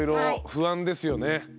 不安ですね。